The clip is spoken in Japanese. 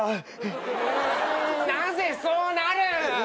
んんなぜそうなる！？